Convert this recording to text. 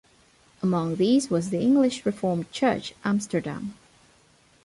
Among these was the English Reformed Church, Amsterdam.